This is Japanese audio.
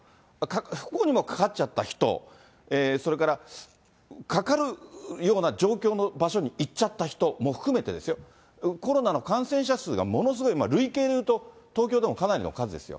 不幸にもかかっちゃった人、それからかかるような状況の場所に行っちゃった人も含めてですよ、コロナの感染者数が、ものすごい累計でいうと、東京でもかなりの数ですよ。